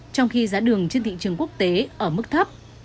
trong khi giá đường trên thị trường quốc tế ở mức thấp